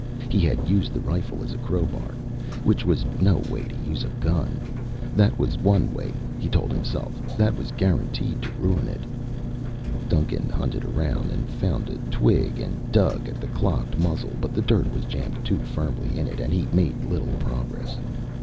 He had used the rifle as a crowbar, which was no way to use a gun. That was one way, he told himself, that was guaranteed to ruin it. Duncan hunted around and found a twig and dug at the clogged muzzle, but the dirt was jammed too firmly in it and he made little progress.